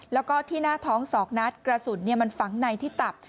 แล้วก็ที่หน้าท้อง๒นัดกระสุนมันฝังในที่ตับ